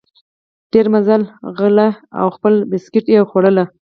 ډېر مزل غلی او خپل بسکیټ یې خوړل.